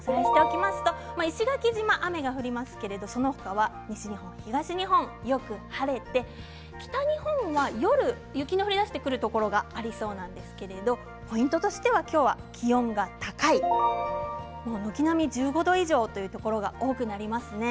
石垣島は雨が降りますけれどもその他西日本、東日本よく晴れて北日本は雪の降りだしてくるところがありそうなんですけれどポイントとしては今日は気温が高い、軒並み１５度以上というところが多くなりますね。